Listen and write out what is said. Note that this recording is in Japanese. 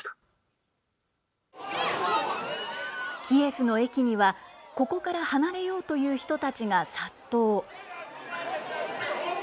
キエフの駅には、ここから離れようという人たちが殺到。